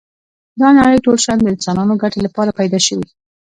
دا نړی ټول شیان د انسانانو ګټی لپاره پيدا شوی